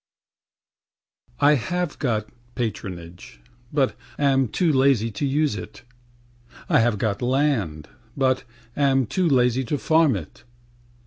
811_] I have got patronage, but am too lazy to use it; I have got land, but am too lazy to farm it.